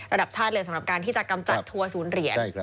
ระดับชาติเลยสำหรับการที่จะกำจัดทัวร์ศูนย์เหรียญ